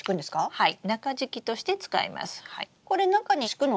はい。